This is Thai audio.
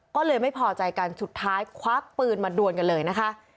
ก็เลยไม่พอใจกันสุดท้ายควักปืนมาดวนกันเลยนะคะ